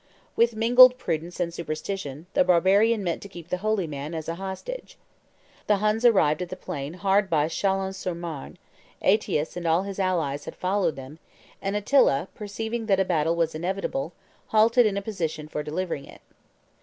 With mingled prudence and superstition, the barbarian meant to keep the holy man as a hostage. The Huns arrived at the plains hard by Chalons sur Marne; Aetius and all his allies had followed them; and Attila, perceiving that a battle was inevitable, halted in a position for delivering it.